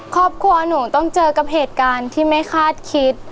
ครอบครัวหนูต้องเจอกับเหตุการณ์ที่ไม่คาดคิด